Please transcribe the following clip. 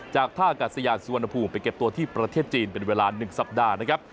จากท่ากัดสยานสุวรรณภูมิไปเก็บตัวที่ประเทศจีนเป็นเวลา๑สัปดาห์นะครับ